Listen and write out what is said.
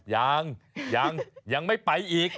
ยังยังไม่ไปอีก